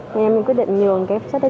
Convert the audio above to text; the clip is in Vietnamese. nên em quyết định nhường cái sách này